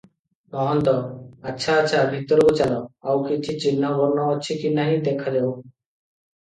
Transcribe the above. ମହନ୍ତ- ଆଚ୍ଛା ଆଚ୍ଛା, ଭିତରକୁ ଚାଲ, ଆଉ କିଛି ଚିହ୍ନ ବର୍ଣ୍ଣ ଅଛି କି ନାହିଁ, ଦେଖାଯାଉ ।